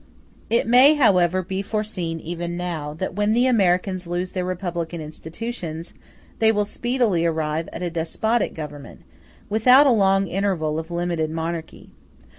It may, however, be foreseen even now, that when the Americans lose their republican institutions they will speedily arrive at a despotic government, without a long interval of limited monarchy.